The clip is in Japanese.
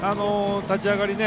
立ち上がり